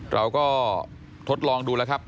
เราก็ทดลองดูแล้วครับ